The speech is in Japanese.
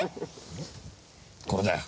これだよ。